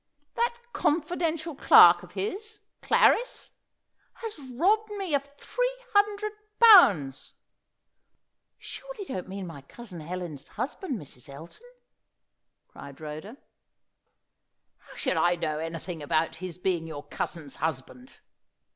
That confidential clerk of his Clarris has robbed me of three hundred pounds!" "You surely don't mean my cousin Helen's husband, Mrs. Elton?" cried Rhoda. "How should I know anything about his being your cousin's husband?"